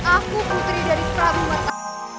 aku putri dari pradumata